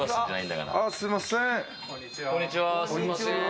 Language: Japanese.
こんにちは。